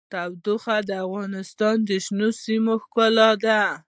تودوخه د افغانستان د شنو سیمو ښکلا ده.